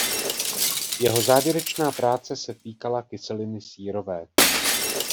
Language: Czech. Jeho závěrečná práce se týkala kyseliny sírové.